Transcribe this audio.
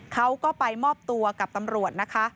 เขาก็ไปมอบตัวกับตำรวจนะคะ